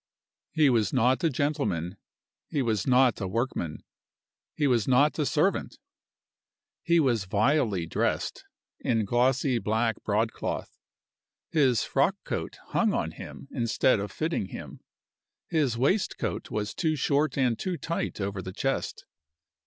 He was not a gentleman; he was not a workman; he was not a servant. He was vilely dressed, in glossy black broadcloth. His frockcoat hung on him instead of fitting him. His waistcoat was too short and too tight over the chest.